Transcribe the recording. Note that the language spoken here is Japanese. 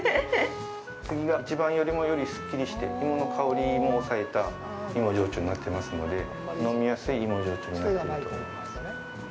次が、１番よりも、よりすっきりして、芋の香りも抑えた芋焼酎になってますので、飲みやすい芋焼酎になっていると思います。